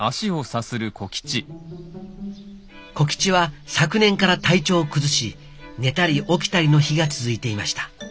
小吉は昨年から体調を崩し寝たり起きたりの日が続いていました。